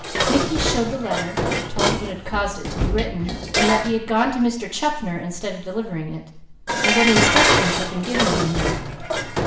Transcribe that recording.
Mickey showed the letter, told what had caused it to be written, and that he had gone to Mr. Chaffner instead of delivering it, and what instructions had been given him there.